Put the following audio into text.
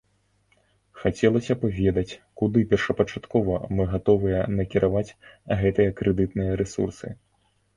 Хацелася б ведаць, куды першапачаткова мы гатовыя накіраваць гэтыя крэдытныя рэсурсы.